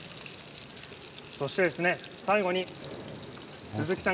そして最後に鈴木さん